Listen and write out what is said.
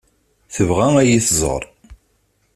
Tebɣa ad yi-tẓeṛ.